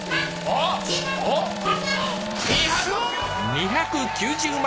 ２９０万！